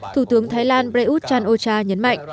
thủ tướng thái lan prayuth chan o cha nhấn mạnh